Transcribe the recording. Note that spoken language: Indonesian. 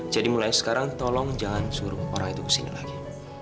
jadi mulai sekarang tolong jangan suruh orang itu ke sini lagi